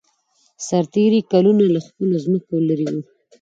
سرتېري کلونه له خپلو ځمکو لېرې وو